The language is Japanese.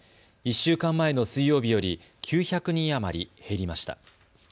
１週間前の水曜日より９００人余り減りました。